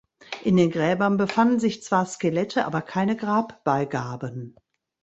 In den Gräbern befanden sich zwar Skelette, aber keine Grabbeigaben.